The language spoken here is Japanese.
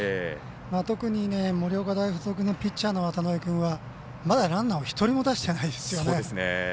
特に、盛岡大付属のピッチャーの渡邊君はまだランナーを１人も出してないですよね。